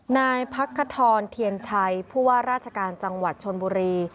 นายพักขทรเทียนชัยผู้ว่าราชการจังหวัดชนบุรี